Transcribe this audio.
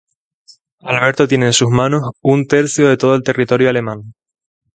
Alberto tiene en sus manos un tercio de todo el territorio alemán.